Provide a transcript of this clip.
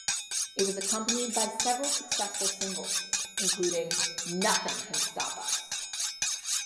It was accompanied by several successful singles, including Nothing Can Stop Us.